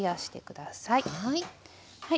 はい。